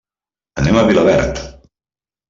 Anem a Vilaverd.